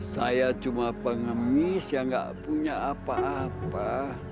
saya cuma pengemis yang gak punya apa apa